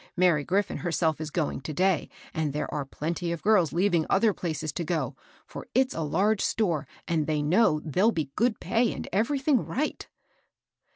Mary GrifBn herself is going to day, and there are plenty of. girls leaving other places to go; for it's a large store, and they know there'll be good pay a^d everything right."